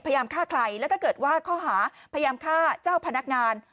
พยายามฆ่าใครแล้วถ้าเกิดว่าข้อหาพยายามฆ่าเจ้าพนักงาน